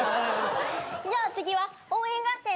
じゃあ次は応援合戦だよ。